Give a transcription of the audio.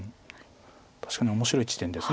確かに面白い地点です